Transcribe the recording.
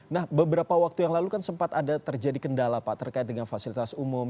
nah beberapa waktu yang lalu kan sempat ada terjadi kendala pak terkait dengan fasilitas umum